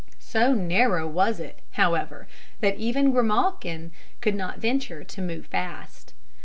So narrow was it, however, that even Grimalkin could not venture to move fast.